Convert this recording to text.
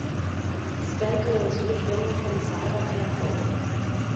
Sper că însuși dl comisarul va fi acolo.